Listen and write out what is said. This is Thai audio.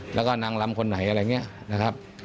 แล้วก็นางลำคนไหนอะไรอย่างนี้นะครับ